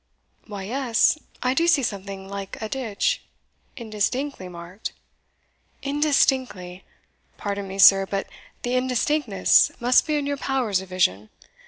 "Why, yes; I do see something like a ditch, indistinctly marked." "Indistinctly! pardon me, sir, but the indistinctness must be in your powers of vision.